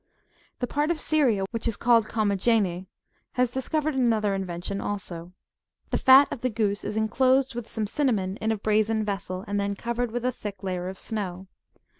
The part of Syria which is called Commagene, has discovered another invention also ; the fat of the goose *^ is enclosed with some cinnamon in a brazen vessel, and then covered with a thick layer of snow.